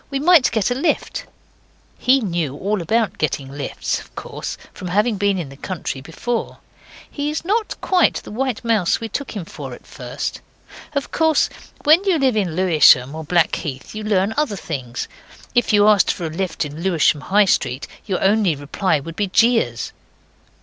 We might get a lift.' He knew all about getting lifts, of course, from having been in the country before. He is not quite the white mouse we took him for at first. Of course when you live in Lewisham or Blackheath you learn other things. If you asked for a lift in Lewisham, High Street, your only reply would be jeers.